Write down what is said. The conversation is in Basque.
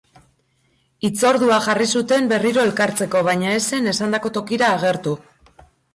Hitzordua jarri zuten berriro elkartzeko, baina ez zen esandako tokira agertu.